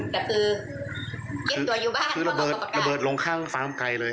แต่คือเก็บตัวอยู่บ้านคือระเบิดระเบิดลงข้างฟาร์มไกลเลย